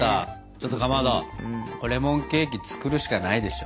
ちょっとかまどレモンケーキ作るしかないでしょう。